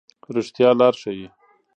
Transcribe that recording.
رښتیا لار ښيي.